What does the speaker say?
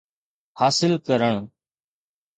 حاصل ڪرڻ